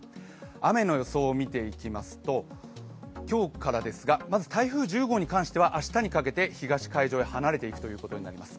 雨の予想を見ていきますと、今日からですがまず台風１０号に関しては明日にかけて東海上へ離れていくということになります。